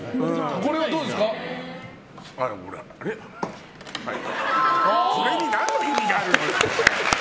これに何の意味があるのよ！